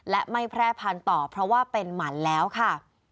และไม่แพร่พันธุ์ต่อเพราะว่าเป็นหมันแล้วค่ะ